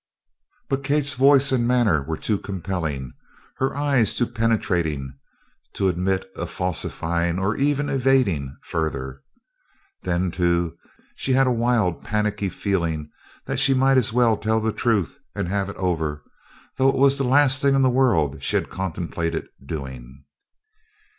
But Kate's voice and manner were too compelling, her eyes too penetrating, to admit of falsifying or even evading further. Then, too, she had a wild panicky feeling that she might as well tell the truth and have it over though it was the last thing in the world she had contemplated doing.